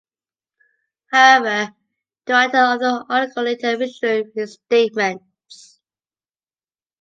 However, the writer of the article later withdrew his statements.